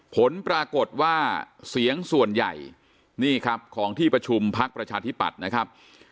ผลปรากฏว่าเสียงส่วนใหญ่นี่ครับของที่ประชุมพักประชาธิปัตย์นะครับ